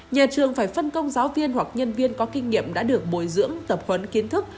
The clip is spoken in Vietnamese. nhà trường phải phân công giáo viên hoặc nhân viên có kinh nghiệm đã được bồi dưỡng tập huấn kiến thức